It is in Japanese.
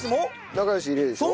なかよし入れるでしょ。